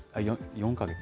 ４か月。